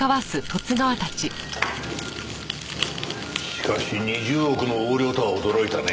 しかし２０億の横領とは驚いたね。